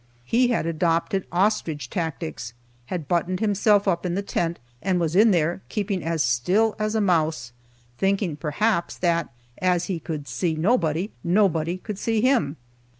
He had adopted ostrich tactics, had buttoned himself up in the tent, and was in there keeping as still as a mouse, thinking, perhaps, that as he could see nobody, nobody could see him.